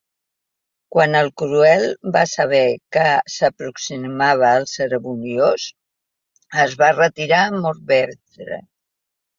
Quan el Cruel va saber que s'aproximava el Cerimoniós, es va retirar a Morvedre.